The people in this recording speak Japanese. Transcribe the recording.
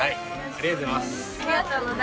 ありがとうございます。